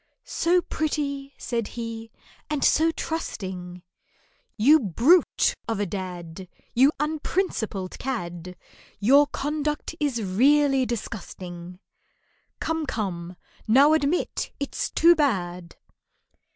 "So pretty," said he, "and so trusting! You brute of a dad, You unprincipled cad, Your conduct is really disgusting, Come, come, now admit it's too bad!